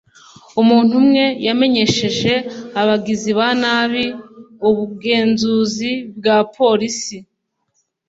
umuntu umwe yamenyesheje abagizi ba nabi ubugenzuzi bwa polisi